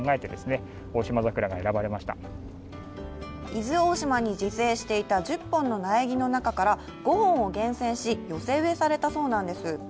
伊豆大島に自生していた１０本の苗木の中から５本を厳選し、寄せ植えされたそうです。